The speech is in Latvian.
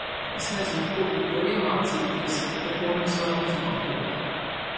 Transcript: Es nezinu kur tu to iemācījies, bet to mēs varam izmantot.